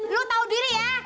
lo tau diri ya